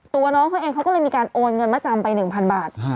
ตัวน้องเขาเองเขาก็เลยมีการโอนเงินมาจำไป๑๐๐บาท